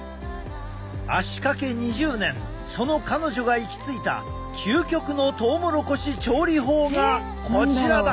足かけ２０年その彼女が行き着いた究極のトウモロコシ調理法がこちらだ！